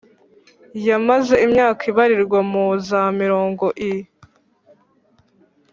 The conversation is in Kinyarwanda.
yamaze imyaka ibarirwa muri za mirongo i